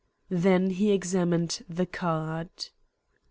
Then he examined the card.